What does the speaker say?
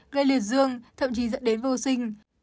gây liệt dương thậm chí dẫn đến vô sinh